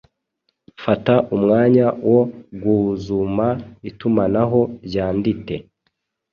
Fata umwanya wo guuzuma itumanaho ryandite